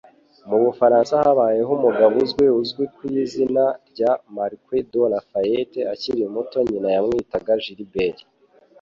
Mu Bufaransa habayeho umugabo uzwi uzwi ku izina rya Marquis de Lafayette. Akiri muto nyina yamwitaga Gilbert.